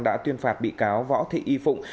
đã tuyên phạt bị cáo võ thị y phụng